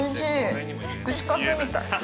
串カツみたい。